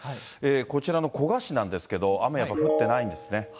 こちらの古河市なんですけど、雨、やっぱ降ってないんですね。